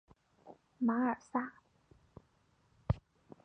马尔萨。